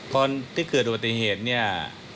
ตอนที่เกิดปัจจิเหตุเนี่ย